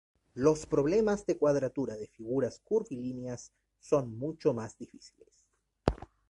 Los problemas de cuadratura de figuras curvilíneas son mucho más difíciles.